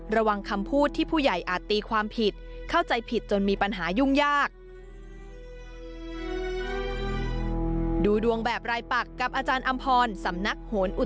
ระวังคำพูดที่ผู้ใหญ่อาจตีความผิดเข้าใจผิดจนมีปัญหายุ่งยาก